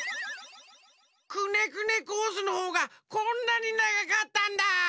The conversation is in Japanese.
くねくねコースのほうがこんなにながかったんだ！